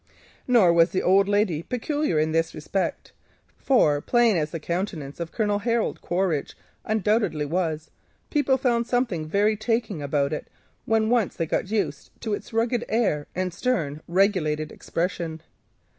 Nor was the old lady peculiar in this respect, for plain as the countenance of Colonel Harold Quaritch undoubtedly was, people found something very taking about it, when once they became accustomed to its rugged air and stern regulated expression.